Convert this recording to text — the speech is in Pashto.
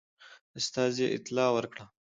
استازي اطلاع ورکړه.